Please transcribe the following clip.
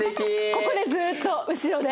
ここでずーっと後ろで。